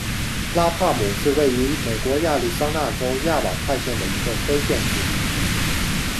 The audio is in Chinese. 拉帕姆是位于美国亚利桑那州亚瓦派县的一个非建制地区。